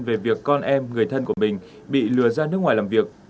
về việc con em người thân của mình bị lừa ra nước ngoài làm việc